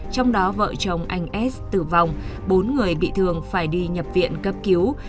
trong đó vợ chồng anh s tử vong bốn người bị thương phải đi nhập viện cấp cứu